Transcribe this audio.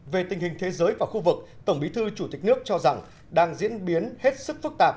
về tình hình thế giới và khu vực tổng bí thư chủ tịch nước cho rằng đang diễn biến hết sức phức tạp